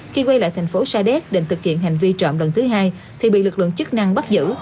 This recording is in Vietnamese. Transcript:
khi quay lại thành phố sa đéc định thực hiện hành vi trộm lần thứ hai thì bị lực lượng chức năng bắt giữ